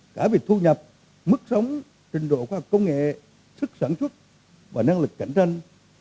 cả về thu nhập mức sống trình độ khoa học công nghệ sức sản xuất và năng lực cạnh tranh